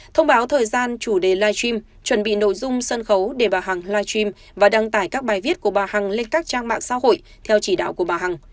thông báo thời gian chủ đề live stream chuẩn bị nội dung sân khấu để bà hằng live stream và đăng tải các bài viết của bà hằng lên các trang mạng xã hội theo chỉ đạo của bà hằng